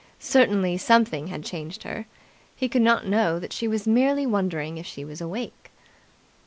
Certainly something had changed her. He could not know that she was merely wondering if she was awake.